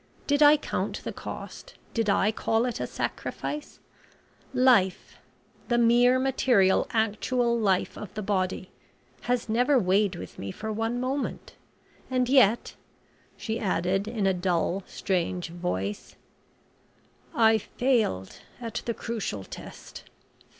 Did I count the cost did I call it a sacrifice? Life the mere material actual life of the body has never weighed with me for one moment. And yet," she added, in a dull, strange voice, "I failed at the crucial test!